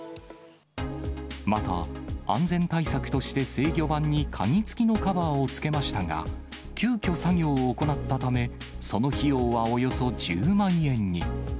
また、安全対策として、制御盤に鍵付きのカバーをつけましたが、急きょ作業を行ったため、その費用はおよそ１０万円に。